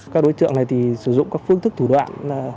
các đối tượng này sử dụng các phương thức thủ đoạn